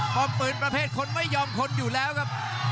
เพราะปืนประเภทคนไม่ยอมคนอยู่แล้วครับ